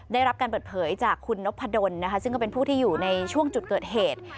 ได้รับการเปิดเผยจากคุณนพดลนะคะซึ่งก็เป็นผู้ที่อยู่ในช่วงจุดเกิดเหตุ